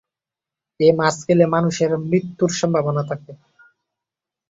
এ মাছ খেলে মানুষের মৃত্যুর সম্ভাবনা থাকে।